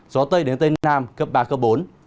gió tây đến tây nam cấp ba cấp bốn